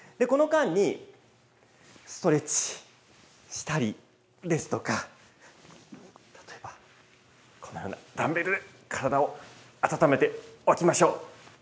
この間に、ストレッチしたりですとか、例えば、このようなダンベルで体を温めておきましょう。